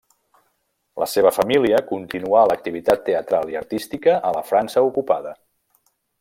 La seua família continuà l’activitat teatral i artística a la França ocupada.